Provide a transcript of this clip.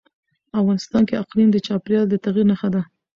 افغانستان کې اقلیم د چاپېریال د تغیر نښه ده.